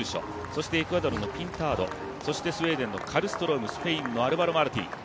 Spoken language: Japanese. そしてエクアドルのピンタードそしてスペインのカルストロームスペインのマルティン。